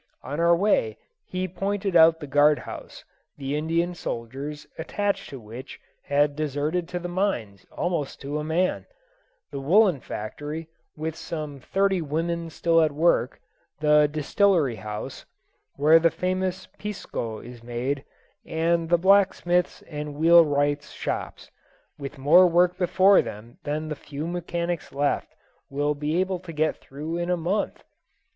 On our way he pointed out the guard house, the Indian soldiers attached to which had deserted to the mines almost to a man; the woollen factory, with some thirty women still at work; the distillery house, where the famous pisco is made; and the blacksmiths' and wheelwrights' shops, with more work before them than the few mechanics left will be able to get through in a month.